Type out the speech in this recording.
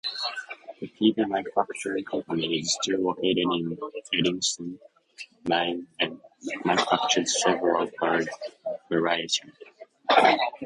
The Peavey Manufacturing Company is still located in Eddington, Maine and manufactures several variations.